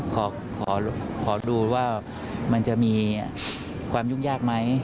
ขอดูว่ามันจะมีความยุ่งยากไหม